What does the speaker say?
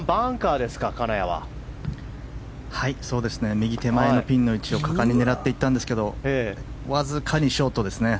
右手前のピンの位置を果敢に狙っていったんですがわずかにショートですね。